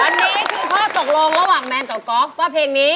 อันนี้คือข้อตกลงระหว่างแมนกับกอล์ฟว่าเพลงนี้